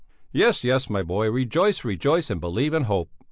"Yes, yes, my boy, rejoice, rejoice and believe and hope!